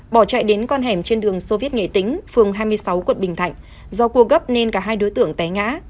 bỏ chạy đến con hẻm trên đường sô viết nghệ tính phường hai mươi sáu quận bình thạnh do cua gấp nên cả hai đối tượng té ngã